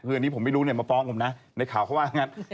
คืออันนี้ผมไม่รู้เนี่ยมาฟ้องผมนะในข่าวเขาว่างั้น